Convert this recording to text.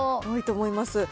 多いと思います。